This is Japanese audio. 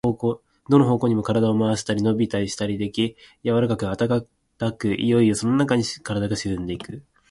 どの方向にも身体を廻したり、のびをしたりでき、柔かく暖かく、いよいよそのなかへ身体が沈んでいく。